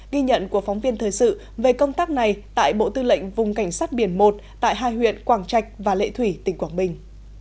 ghi nhận của phóng viên thời sự về công tác này tại bộ tư lệnh vùng cảnh sát biển một tại hai huyện quảng trạch và lệ thủy tỉnh quảng bình